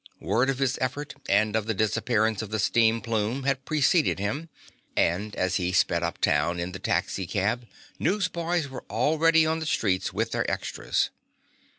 Word of his effort and of the disappearance of the steam plume had preceded him, and as he sped uptown in the taxicab newsboys were already on the streets with their extras.